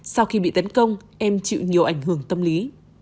sau khi bị tấn công em chịu nhiều ảnh hưởng tâm lý